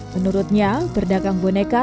menurutnya berdagang boneka